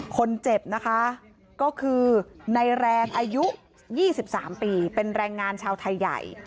คนเจ็บนะคะก็คือในแรงอายุ๒๓ปีเป็นแรงงานชาวไทยใหญ่